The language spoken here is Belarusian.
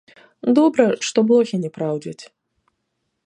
Добра, што блохі не праўдзяць.